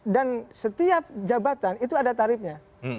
dan setiap jabatan itu ada tarifnya